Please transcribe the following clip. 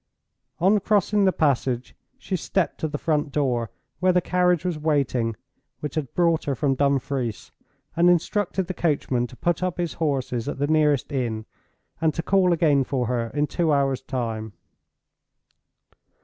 On crossing the passage, she stepped to the front door, where the carriage was waiting which had brought her from Dumfries, and instructed the coachman to put up his horses at the nearest inn, and to call again for her in two hours' time.